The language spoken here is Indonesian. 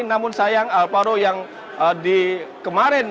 namun sayang alvaro yang di kemarin